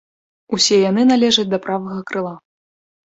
Усе яны належаць да правага крыла.